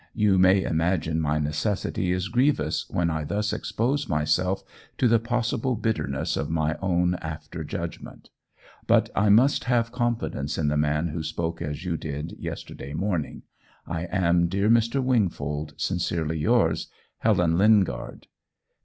You may imagine my necessity is grievous when I thus expose myself to the possible bitterness of my own after judgment. But I must have confidence in the man who spoke as you did yesterday morning. I am, dear Mr. Wingfold, sincerely yours, Helen Lingard.